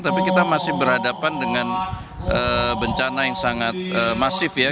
tapi kita masih berhadapan dengan bencana yang sangat masif ya